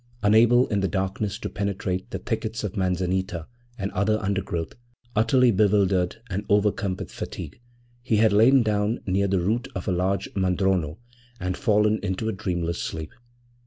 Unable in the darkness to penetrate the thickets of manzanita and other undergrowth, utterly bewildered and overcome with fatigue, he had lain down near the root of a large madrono and fallen into a dreamless sleep.